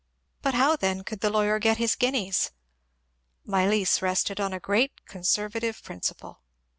But how then could the lawyer get his guineas ? My lease rested on a great conservative principle.